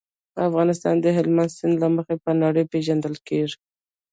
افغانستان د هلمند سیند له مخې په نړۍ پېژندل کېږي.